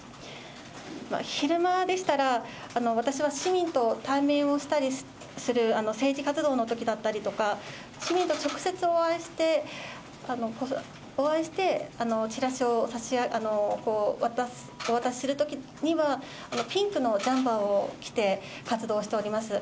昼間でしたら、私は市民と対面をしたりする政治活動のときだったりとか、市民と直接お会いして、お会いして、チラシをお渡しするときには、ピンクのジャンバーを着て活動しております。